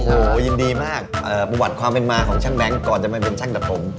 โอ้โหยินดีมากประวัติความเป็นมาของช่างแบงค์ก่อนจะมาเป็นช่างตัดผม